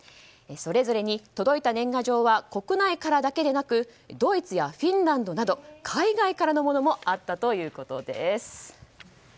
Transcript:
それぞれに届いた年賀状は国内からだけでなくドイツやフィンランドなど海外からのものもあったということです。